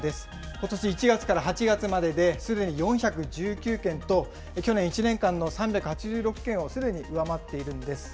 ことし１月から８月までですでに４１９件と、去年１年間の３８６件をすでに上回っているんです。